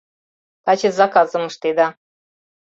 — Таче заказым ыштеда.